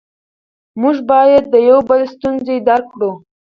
موږ باید د یو بل ستونزې درک کړو